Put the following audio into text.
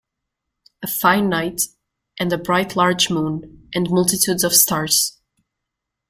A fine night, and a bright large moon, and multitudes of stars.